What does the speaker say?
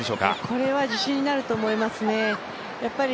これは自信になると思いますね。